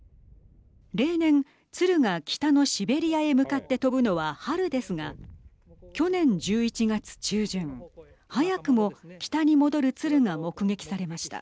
例年、鶴が北のシベリアへ向かって飛ぶのは春ですが去年１１月中旬早くも北に戻る鶴が目撃されました。